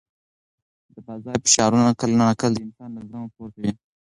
د بازار فشارونه کله ناکله د انسان له زغمه پورته وي.